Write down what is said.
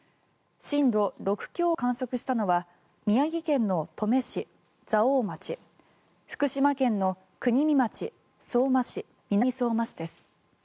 震度６強を観測したのは宮城県の登米市、蔵王町福島県の国見町、相馬市南相馬市です。